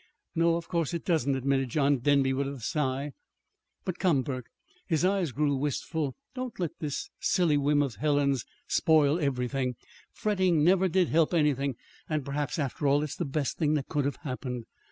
"No, of course it doesn't," admitted John Denby, with a sigh. "But, come, Burke," his eyes grew wistful, "don't let this silly whim of Helen's spoil everything. Fretting never did help anything, and perhaps, after all, it's the best thing that could have happened.